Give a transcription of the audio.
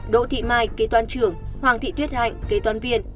đỗ thị mai kế toán trưởng hoàng thị tuyết hạnh kế toán viên